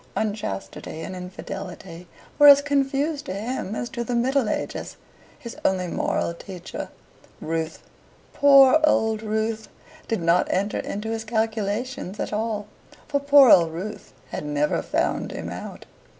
Unchastity and infidelity were as confused to him as to the Middle Ages, his only moral teacher. Ruth (poor old Ruth!) did not enter into his calculations at all, for poor old Ruth had never found him out.